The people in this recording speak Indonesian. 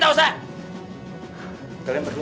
ia bukan ketemuan baru